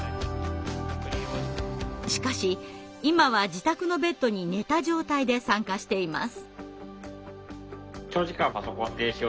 しかし今は自宅のベッドに寝た状態で参加しています。